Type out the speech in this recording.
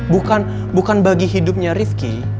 bukan bukan bagi hidupnya rifqi